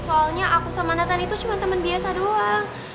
soalnya aku sama nathan itu cuma teman biasa doang